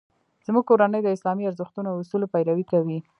زموږ کورنۍ د اسلامي ارزښتونو او اصولو پیروي کوي